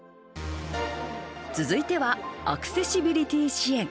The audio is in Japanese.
続いてはアクセシビリティー支援。